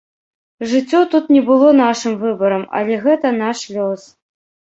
Жыццё тут не было нашым выбарам, але гэта наш лёс.